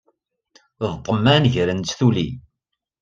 D ṭṭman gren-tt tuli.